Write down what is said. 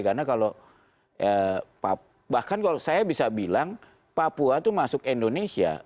karena kalau bahkan kalau saya bisa bilang papua tuh masuk indonesia